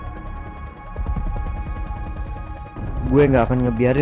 tiga tiganya dia menggugurkan kendungannya sendiri